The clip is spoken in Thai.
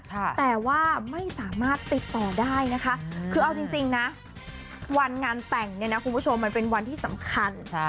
แต่ว่าไม่สามารถติดต่อได้นะคะคือเอาจริงนะวันงานแต่งเนี่ยนะคุณผู้ชมมันเป็นวันที่สำคัญ